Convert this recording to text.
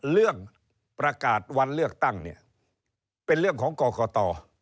เรื่องประกาศวันเลือกตั้งเนี่ยเป็นเรื่องของกรกต